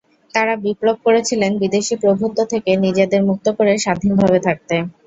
তারা বিপ্লব করেছিলেন বিদেশি প্রভুত্ব থেকে নিজেদের মুক্ত করে স্বাধীনভাবে থাকতে।